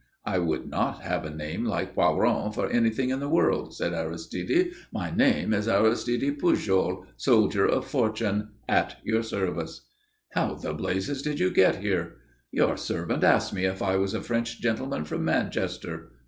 "I would not have a name like Poiron for anything in the world," said Aristide. "My name is Aristide Pujol, soldier of fortune, at your service." "How the blazes did you get here?" "Your servant asked me if I was a French gentleman from Manchester.